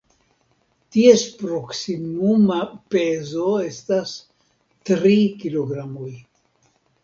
Ties proksimuma pezo estas tri kilogramoj.